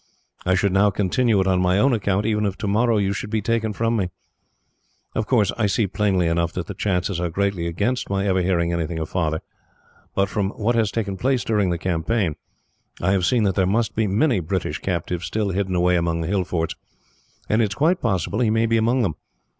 I should now continue it on my own account, even if tomorrow you should be taken from me. Of course, I see plainly enough that the chances are greatly against my ever hearing anything of Father; but from what has taken place during the campaign, I have seen that there must be many British captives still hidden away among the hill forts, and it is quite possible he may be among them.